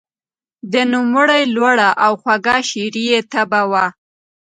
د نوموړي لوړه او خوږه شعري طبعه وه.